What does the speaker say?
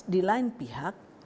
di lain pihak